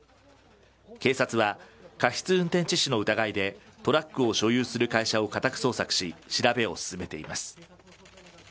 警察は過失運転致死の疑いで、トラックを所有する会社を家宅捜索し、調べを進めています。